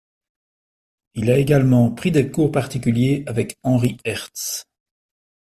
Il a également pris des cours particuliers avec Henri Herz.